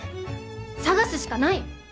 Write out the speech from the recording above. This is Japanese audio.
探すしかない！